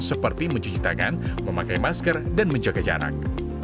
seperti mencuci tangan memakai masker dan menjaga jarak